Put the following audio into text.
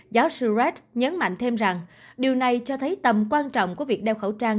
giáo sư red nhấn mạnh thêm rằng điều này cho thấy tầm quan trọng của việc đeo khẩu trang